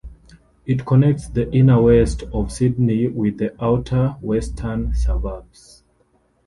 It connects the inner-west of Sydney with the outer western suburbs.